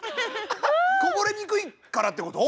こぼれにくいからってこと？